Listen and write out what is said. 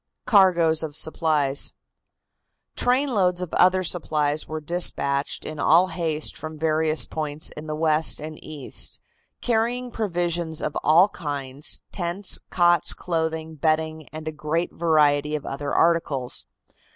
CARGOES OF SUPPLIES. Trainloads of other supplies were dispatched in all haste from various points in the West and East, carrying provisions of all kinds, tents, cots, clothing, bedding and a great variety of other articles.